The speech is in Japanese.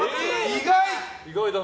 意外！